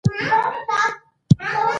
ښوونکی د زده کوونکو هڅې ستایي